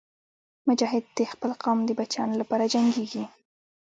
مجاهد د خپل قوم د بچیانو لپاره جنګېږي.